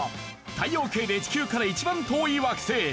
太陽系で地球から一番遠い惑星